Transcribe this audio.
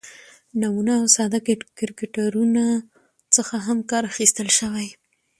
،نمونه او ساده کرکترونو څخه هم کار اخستل شوى